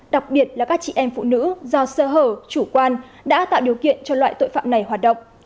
đặc biệt là các chị em phụ nữ do sơ hở chủ quan đã tạo điều kiện cho loại tội phạm này hoạt động